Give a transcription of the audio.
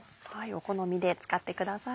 お好みで使ってください。